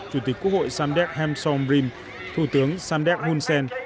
chủ tịch quốc hội samdek hamsom rim thủ tướng samdek hunsen